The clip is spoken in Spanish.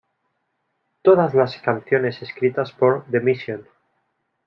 Todas las canciones escritas por The Mission.